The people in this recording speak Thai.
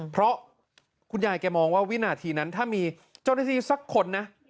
เพราะคุณยายแกมองว่าวินาทีนั้นถ้ามีเจ้าหน้าที่สักคนนะ